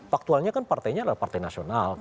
faktualnya kan partainya adalah partai nasional